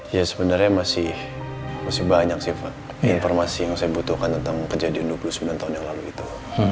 ya sebenarnya masih banyak sih informasi yang saya butuhkan tentang kejadian dua puluh sembilan tahun yang lalu itu